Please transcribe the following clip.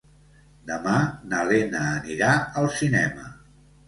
Demà na Lena anirà al cinema.